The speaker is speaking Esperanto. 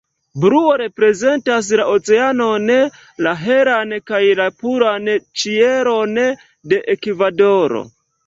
Bluo reprezentas la oceanon, la helan kaj puran ĉielon de Ekvadoro.